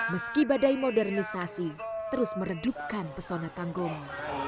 meski badai modernisasi terus meredupkan pesona tanggomo